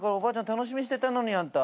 楽しみにしてたのにあんた。